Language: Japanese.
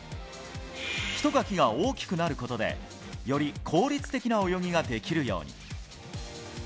ひとかきが大きくなることでより効率的な泳ぎができるように。